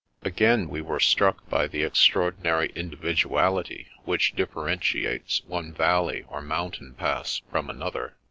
Again we were struck by the extraordinary indi viduality which differentiates one valley or moun tain pass from another.